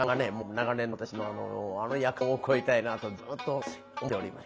長年の私のあの「やかん」を超えたいなとずっと思っております。